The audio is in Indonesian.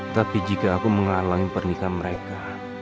tapi jika aku menghalangi pernikahan mereka